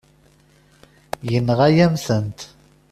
Yenɣa-yam-tent.